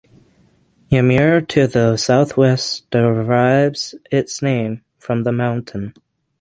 Ymir to the southwest derives its name from the mountain.